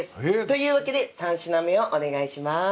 というわけで三品目をお願いします。